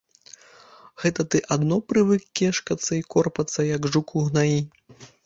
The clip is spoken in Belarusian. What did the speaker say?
Гэта ты адно прывык кешкацца і корпацца, як жук у гнаі.